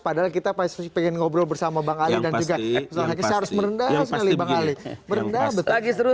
padahal kita masih pengen ngobrol bersama bang ali